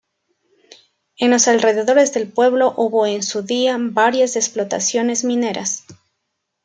En los alrededores del pueblo hubo en su día varias explotaciones mineras.